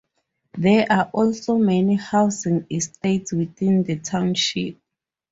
There are also many housing estates within the township.